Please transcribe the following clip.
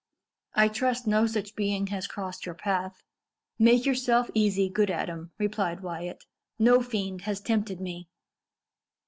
I trust no such being has crossed your path." "Make yourself easy, good Adam," replied Wyat; "no fiend has tempted me."